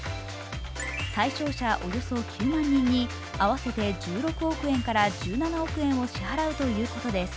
対象者およそ９万人に合わせて１６億円から１７億円を支払うということです。